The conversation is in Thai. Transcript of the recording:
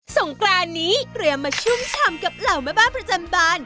งกรานนี้เตรียมมาชุ่มชำกับเหล่าแม่บ้านประจำบาน